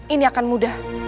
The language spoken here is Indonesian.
ini akan mudah